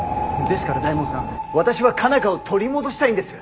ですから大門さん私は佳奈花を取り戻したいんです。